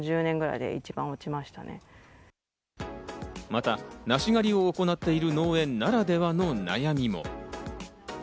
また、梨狩りを行っている農園ならではの悩みも。